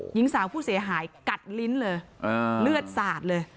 หญิงสาวผู้เสียหายกัดลิ้นเลือดสระด